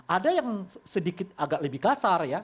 ada yang sedikit agak lebih kasar ya